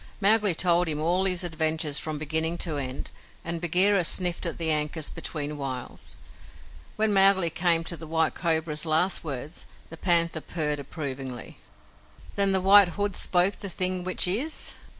Mowgli told him all his adventures from beginning to end, and Bagheera sniffed at the ankus between whiles. When Mowgli came to the White Cobra's last words, the Panther purred approvingly. "Then the White Hood spoke the thing which is?"